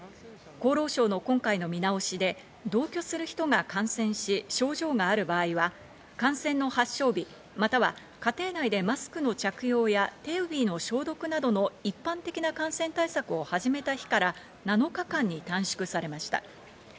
厚労省の今回の見直しで、同居する人が感染し、症状がある場合は、感染の発症日、または家庭内でマスクの着用や手指の消毒などの一般的な感染対策を始めた日から７日間に短縮されました。